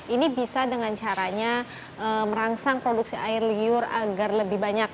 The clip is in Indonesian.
ini bisa dengan caranya merangsang produksi air liur agar lebih banyak